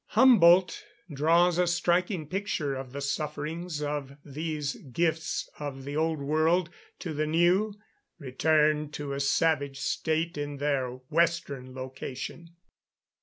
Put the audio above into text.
Humboldt draws a striking picture of the sufferings of these gifts of the Old World to the New, returned to a savage state in their western location.